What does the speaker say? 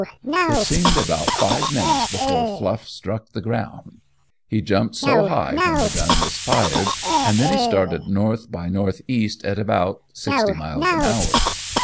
It seemed about five minutes before Fluff struck the ground, he jumped so high when the gun was fired, and then he started north by northeast at about sixty miles an hour.